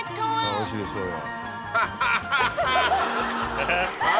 これはおいしいでしょうよ。